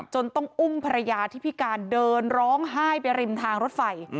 ต้องอุ้มภรรยาที่พิการเดินร้องไห้ไปริมทางรถไฟ